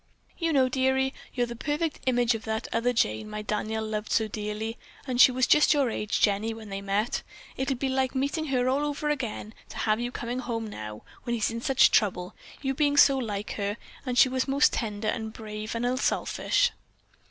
"You know, dearie, you're the perfect image of that other Jane my Daniel loved so dearly, and she was just your age, Jenny, when they met. It'll be like meeting her all over again to have you coming home now, when he's in such trouble, you being so like her, and she was most tender and brave and unselfish."